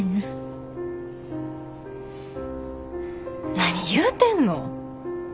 何言うてんの。